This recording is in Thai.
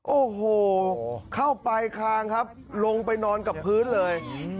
โอ้โหเข้าไปคางครับลงไปนอนกับพื้นเลย